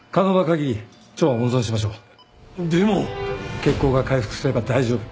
血行が回復すれば大丈夫。